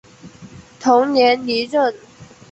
同年离任。